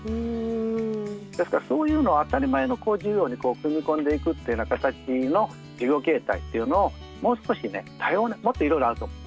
ですからそういうのを当たり前の授業に組み込んでいくというような形の授業形態というのをもう少しね多様にもっといろいろあると思う。